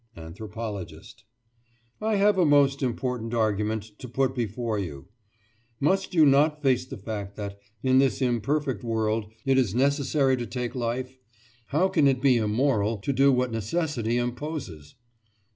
ANTHROPOLOGIST: I have a most important argument to put before you. Must you not face the fact that, in this imperfect world, it is necessary to take life? How can it be immoral to do what necessity imposes?